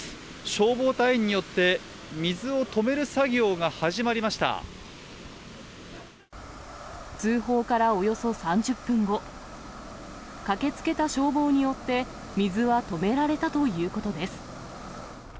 消防隊員によって、通報からおよそ３０分後、駆けつけた消防によって、水は止められたということです。